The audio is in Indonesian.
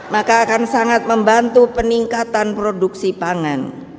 maka akan sangat membantu peningkatan produksi pangan